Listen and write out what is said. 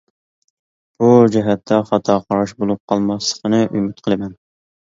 بۇ جەھەتتە خاتا قاراش بولۇپ قالماسلىقىنى ئۈمىد قىلىمەن.